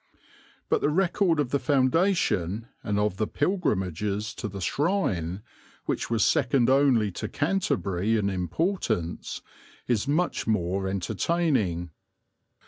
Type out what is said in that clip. But the record of the foundation and of the pilgrimages to the shrine, which was second only to Canterbury in importance, is much more entertaining.